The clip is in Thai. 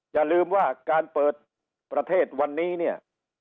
อย่าลืมว่าการเปิดประเทศวันนี้เนี่ย